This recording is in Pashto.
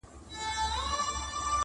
پر قاتل یې زیارت جوړ دی بختور دی-